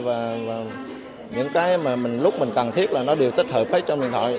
và những cái mà lúc mình cần thiết là nó đều tích hợp hết trong điện thoại